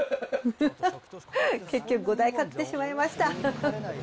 結局、５台買ってしまいました。